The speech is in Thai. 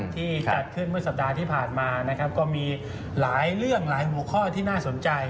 ที่จัดขึ้นเมื่อสัปดาห์ที่ผ่านมานะครับก็มีหลายเรื่องหลายหัวข้อที่น่าสนใจ